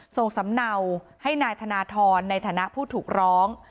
ส่งสำเนาให้นายธนทรในฐานะผู้ถูกร้อง